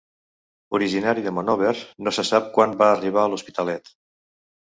Originari de Monòver, no se sap quan va arribar a l'Hospitalet.